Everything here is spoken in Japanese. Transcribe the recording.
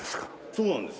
そうなんです。